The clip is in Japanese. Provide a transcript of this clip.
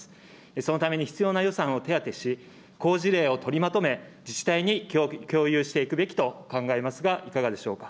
そのために必要な予算を手当し、好事例を取りまとめ、自治体に共有していくべきと考えますが、いかがでしょうか。